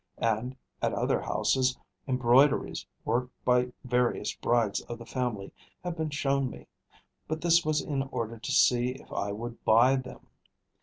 And at other houses embroideries worked by various brides of the family have been shown me; but this was in order to see if I would buy them.